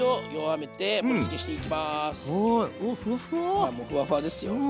はいもうふわふわですよ。